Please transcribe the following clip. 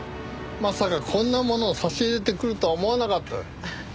まさかこんなものを差し入れてくるとは思わなかったよ。